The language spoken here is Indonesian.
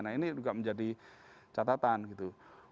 nah ini juga menjadi catatan gitu